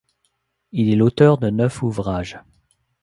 Il est l'auteur de neuf ouvrages.